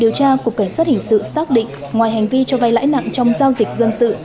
điều tra cục cảnh sát hình sự xác định ngoài hành vi cho vay lãi nặng trong giao dịch dân sự